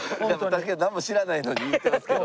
確かに何も知らないのに言ってますけども。